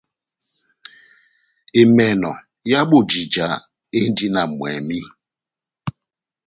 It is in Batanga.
Emènò ya bojija endi na mwɛmi.